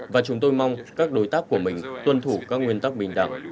và chúng tôi mong các đối tác của mình tuân thủ các nguyên tắc bình đẳng